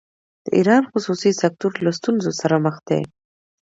د ایران خصوصي سکتور له ستونزو سره مخ دی.